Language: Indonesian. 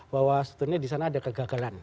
bahwa sebetulnya disana ada kegagalan